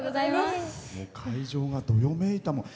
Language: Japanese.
会場がどよめいたもん。